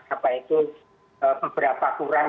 apa itu beberapa kurang